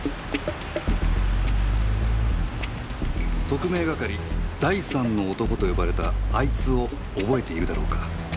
特命係第三の男と呼ばれたあいつを覚えているだろうか